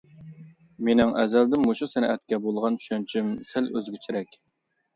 -مېنىڭ ئەزەلدىن مۇشۇ سەنئەتكە بولغان چۈشەنچەم سەل ئۆزگىچىرەك.